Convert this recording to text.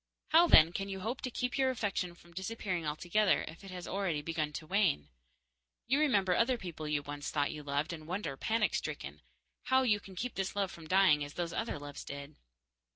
How, then, can you hope to keep your affection from disappearing altogether if it has already begun to wane? You remember other people you once thought you loved, and wonder, panic stricken, how you can keep this love from dying as those other loves did.